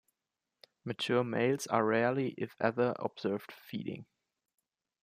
Mature males are rarely, if ever, observed feeding.